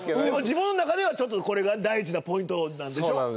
でも自分の中ではちょっとこれが大事なポイントなんでしょ？